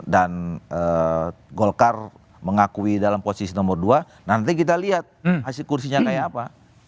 dan golkar mengakui dalam posisi nomor dua nanti kita lihat hasil kursinya kayak apa